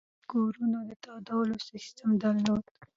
دوی د کورونو د تودولو سیستم درلود